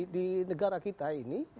di negara kita ini